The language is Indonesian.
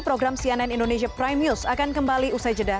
program cnn indonesia prime news akan kembali usai jeda